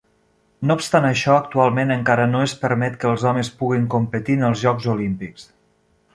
No obstant això, actualment encara no es permet que els homes puguin competir en els Jocs Olímpics.